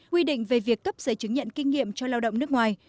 quy định về việc cấp giấy chứng nhận kinh nghiệm cho lao động nước ngoài